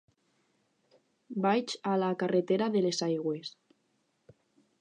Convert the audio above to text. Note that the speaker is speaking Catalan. Vaig a la carretera de les Aigües.